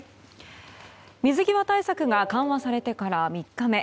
水際対策が緩和されてから３日目。